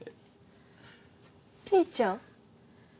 ピーちゃん？